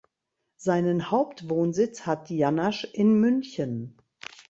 Seinen Hauptwohnsitz hat Jannasch in München.